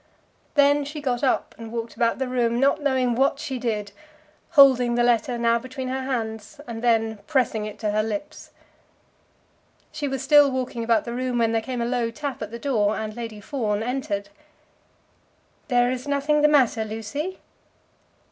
Then she got up and walked about the room, not knowing what she did, holding the letter now between her hands, and then pressing it to her lips. She was still walking about the room when there came a low tap at the door, and Lady Fawn entered. "There is nothing the matter, Lucy?"